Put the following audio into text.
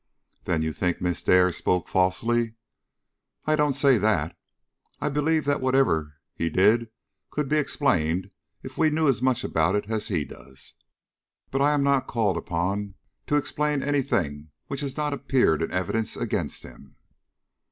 "Then you think Miss Dare spoke falsely?" "I don't say that. I believe that whatever he did could be explained if we knew as much about it as he does. But I'm not called upon to explain any thing which has not appeared in the evidence against him."